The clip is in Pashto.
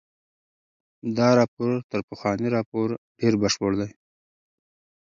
دا راپور تر پخواني راپور ډېر بشپړ دی.